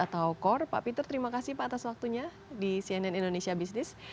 terima kasih pak atas waktunya di cnn indonesia business